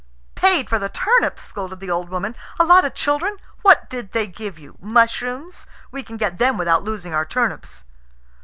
"Paid for the turnips!" scolded the old woman. "A lot of children! What did they give you? Mushrooms? We can get them without losing our turnips."